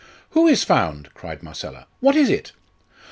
"Who is found?" cried Marcella "What is it?"